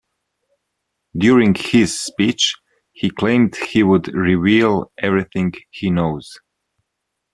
During his speech, he claimed he would "reveal everything he knows".